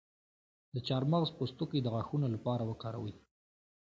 د چارمغز پوستکی د غاښونو لپاره وکاروئ